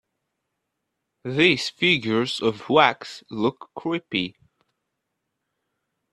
These figures of wax look creepy.